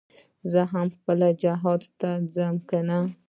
زه هم جهاد ته ځم كنه.